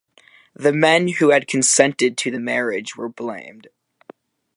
The men who had consented to the marriage were blamed.